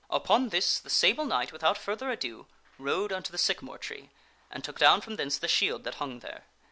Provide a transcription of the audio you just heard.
Upon this the Sable Knight, without further ado, rode unto the sycamore tree, and took down from thence the shield that hung there.